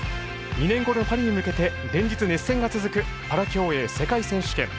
２年後のパリに向けて連日、熱戦が続くパラ競泳世界選手権。